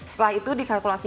setelah itu dikalkulasi